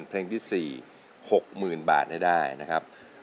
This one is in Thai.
เพลงที่๔๖๐๐๐บาทให้ได้นะครับ